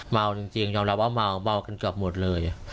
เมาจริงยอมรับว่าเมากันเกือบหมดเลย